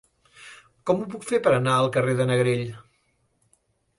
Com ho puc fer per anar al carrer de Negrell?